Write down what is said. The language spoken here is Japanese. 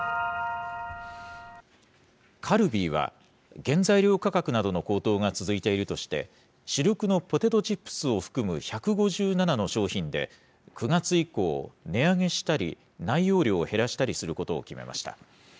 カルビーは、原材料価格の高騰が続いているとして、主力のポテトチップスを含む１５７の商品で、９月以降、値上げしたり、内容量を減らしたりすることを決めました。